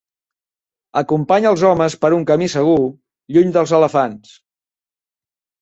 Acompanya els homes per un camí segur, lluny dels elefants.